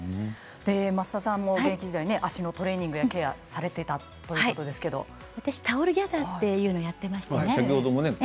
増田さんも現役時代足のトレーニングやケアをされていたということですけれど私はタオルギャザーというのやっていましてね